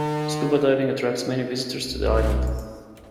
Scuba diving attracts many visitors to the island.